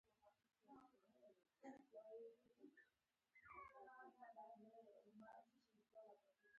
افغانستان کې قومونه د هنر په اثار کې په ښه توګه منعکس کېږي.